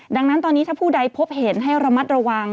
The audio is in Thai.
ดังนั้นตอนนี้ถ้าผู้ใดพบเห็นให้ระมัดระวัง